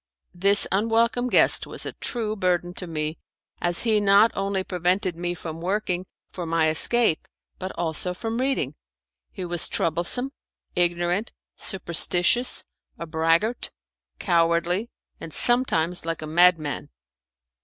This unwelcome guest was a true burden to me, as he not only prevented me from working for my escape but also from reading. He was troublesome, ignorant, superstitious, a braggart, cowardly, and sometimes like a madman.